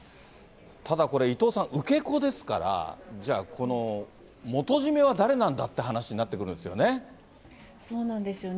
ただこれ、伊藤さん、受け子ですから、じゃあ、この元締めは誰なんだって話になってくるんですよね。